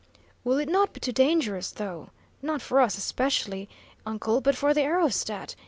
"Will it not be too dangerous, though? Not for us, especially, uncle, but for the aerostat?